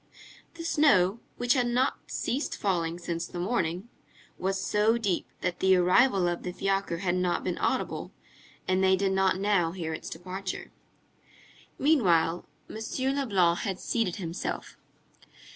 The snow, which had not ceased falling since the morning, was so deep that the arrival of the fiacre had not been audible, and they did not now hear its departure. Meanwhile, M. Leblanc had seated himself.